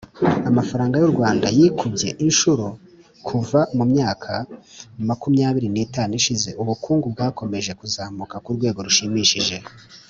Amafaranga y’ u Rwanda yikubye inshuro kuva mu myaka makumyabiri n’itanu ishize ubukungu bwakomeje kuzamuka ku rwego rushimishije.